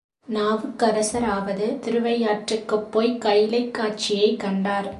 நாவுக்கரசராவது திருவையாற்றுக்குப் போய்க் கைலைக் காட்சியைக் கண்டார்.